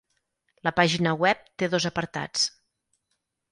La pàgina web té dos apartats.